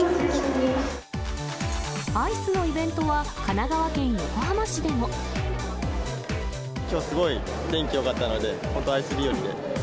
アイスのイベントは、神奈川きょう、すごい天気よかったので、本当、アイス日和で。